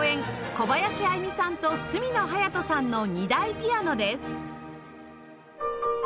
小林愛実さんと角野隼斗さんの２台ピアノです